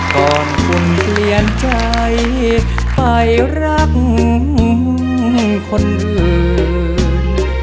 ก่อนคุณเปลี่ยนใจไปรักคนอื่น